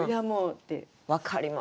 分かりますわ。